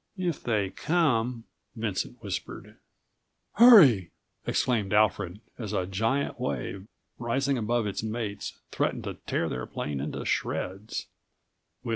"If they come," Vincent whispered. "Hurry!" exclaimed Alfred, as a giant wave, rising above its mates, threatened to tear their plane into shreds.